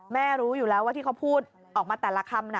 รู้อยู่แล้วว่าที่เขาพูดออกมาแต่ละคำ